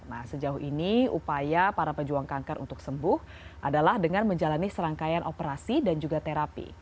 nah sejauh ini upaya para pejuang kanker untuk sembuh adalah dengan menjalani serangkaian operasi dan juga terapi